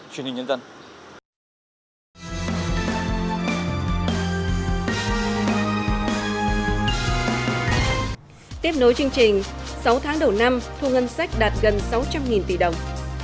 sáu tháng đầu năm thu ngân sách đạt gần sáu trăm linh tỷ đồng